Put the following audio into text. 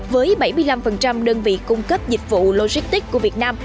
với bảy mươi năm đơn vị cung cấp dịch vụ logistics của việt nam